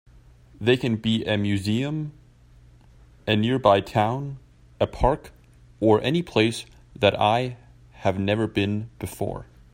They can be a museum, a nearby town, a park, or any place that I have never been before.